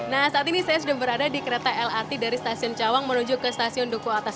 nah saat ini saya sudah berada di kereta lrt dari stasiun cawang menuju ke stasiun duku atas